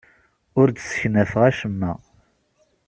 Ur d-sseknafeɣ acemma.